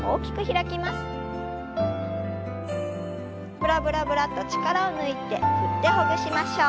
ブラブラブラッと力を抜いて振ってほぐしましょう。